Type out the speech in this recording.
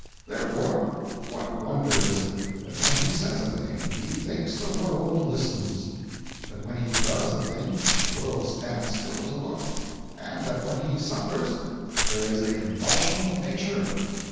Therefore, what wonder is it that when he says a thing, he thinks the world listens; that when he does a thing the world stands still to look; and that when he suffers, there is a convulsion of nature?